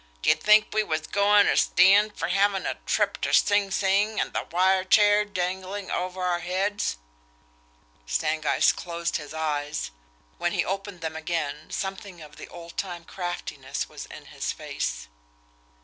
D'ye think we was goin' ter stand fer havin' a trip ter Sing Sing an' the wire chair danglin' over our heads!" Stangeist closed his eyes. When he opened them again, something of the old time craftiness was in his face.